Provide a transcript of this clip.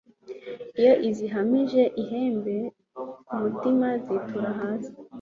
iyo izihamije ihembe ku mutima zitura hasi